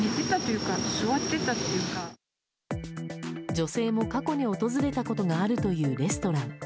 女性も過去に訪れたことがあるというレストラン。